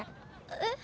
えっ。